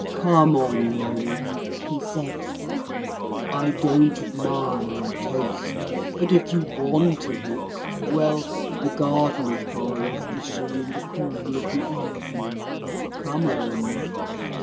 'Come on then,' he said, 'I don't admire your taste, but if you want a hook, well, the gardener's boy is fishing in the cool of the evening. Come on.'